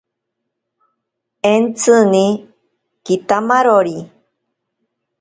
Entsini kitamarori.